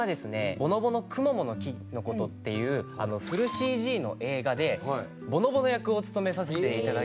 『ぼのぼのクモモの木のこと』っていうフルＣＧの映画でぼのぼの役を務めさせて頂きまして。